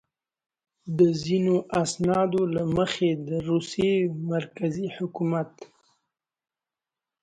د ځینو اسنادو له مخې د روسیې مرکزي حکومت.